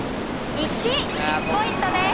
１。１ポイントです。